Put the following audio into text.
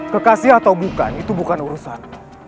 kekasih atau bukan itu bukan urusan